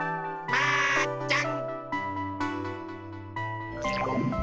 マーちゃん。